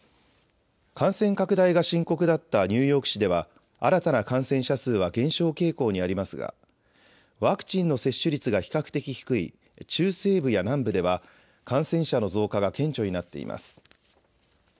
感染拡大が深刻だったニューヨーク市では新たな感染者数は減少傾向にありますがワクチンの接種率が比較的低い中西部や南部では感染者の増加が顕著になっています。